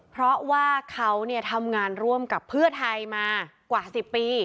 เพราะว่าเขาทำงานร่วมกับเพื่อไทยมากว่า๑๐ปี